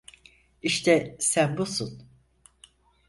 İşte sen busun.